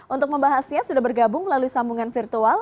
untuk membahasnya sudah bergabung melalui sambungan virtual